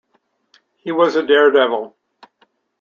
He was a daredevil.